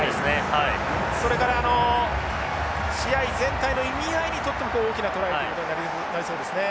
それからあの試合全体の意味合いにとっても大きなトライということになりそうですね。